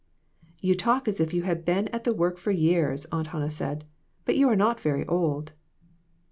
"You talk as if you had been at the work for years," Aunt Hannah said; "but you are not very old."